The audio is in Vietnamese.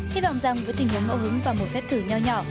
hi vọng rằng với tình huống mẫu hứng và một phép thử nhỏ nhỏ